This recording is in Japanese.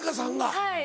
はい。